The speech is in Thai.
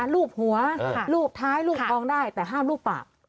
รูปหัวรูปท้ายรูปทองได้แต่ห้ามรูปปาก